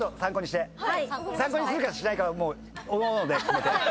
参考にするかしないかはもうおのおので決めて。